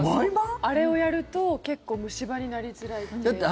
あれをやると結構、虫歯になりづらいって。